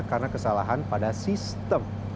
karena kesalahan pada sistem